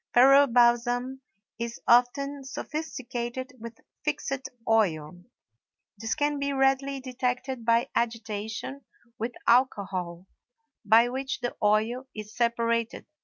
Peru balsam is often sophisticated with fixed oil; this can be readily detected by agitation with alcohol, by which the oil is separated.